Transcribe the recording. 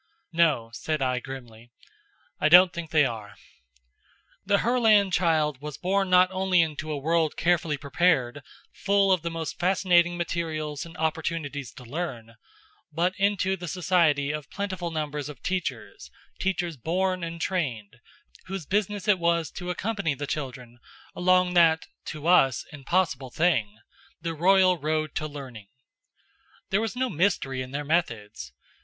"No," said I grimly. "I don't think they are." The Herland child was born not only into a world carefully prepared, full of the most fascinating materials and opportunities to learn, but into the society of plentiful numbers of teachers, teachers born and trained, whose business it was to accompany the children along that, to us, impossible thing the royal road to learning. There was no mystery in their methods.